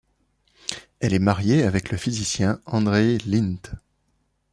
Elle est mariée avec le physicien Andreï Linde.